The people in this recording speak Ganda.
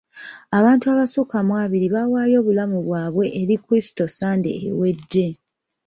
Abantu abasukka mu abiri baawaayo obulamu bwabwe eri Kristo Sande ewedde.